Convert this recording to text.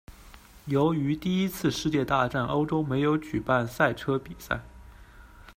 由于第一次世界大战，欧洲没有举办赛车比赛。